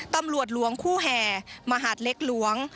ตำรวจหลวงคู่แห่มหาดเล็กหลวง